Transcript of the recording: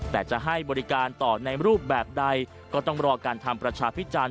แต่จะให้บริการต่อในรูปแบบใดก็ต้องรอการทำประชาพิจารณ